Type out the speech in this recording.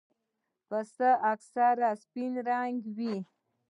پسه اکثره سپین رنګه وي.